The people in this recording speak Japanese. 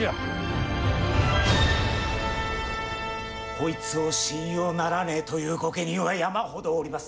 こいつを信用ならねえという御家人は山ほどおります。